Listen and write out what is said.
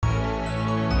aku mau berlebihan